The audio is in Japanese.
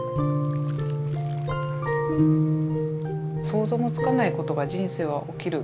想像もつかないことが人生は起きる。